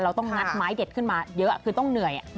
ต้องงัดไม้เด็ดขึ้นมาเยอะคือต้องเหนื่อย